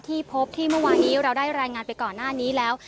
ที่พบที่เมื่อวานี้เราได้รายงานไปก่อนหน้านี้แล้ว